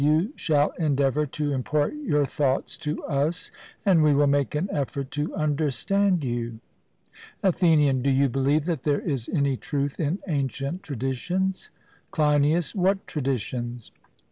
You shall endeavour to impart your thoughts to us, and we will make an effort to understand you. ATHENIAN: Do you believe that there is any truth in ancient traditions? CLEINIAS: What traditions?